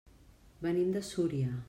Venim de Súria.